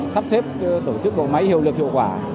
sắp xếp tổ chức bộ máy hiệu lực hiệu quả